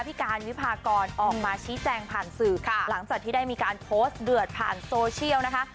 การวิพากรออกมาชี้แจงผ่านสื่อค่ะหลังจากที่ได้มีการโพสต์เดือดผ่านโซเชียลนะคะ